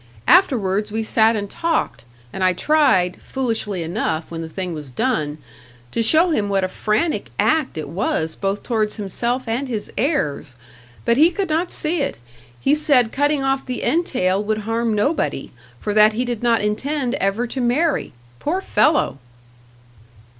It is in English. Afterwards we sat and talked, and I tried foolishly enough, when the thing was done! to show him what a frantic act it was both towards himself and his heirs. But he could not see it. He said cutting off the entail would harm nobody for that he did not intend ever to marry. Poor fellow!"